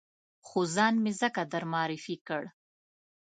خو ځان مې ځکه در معرفي کړ.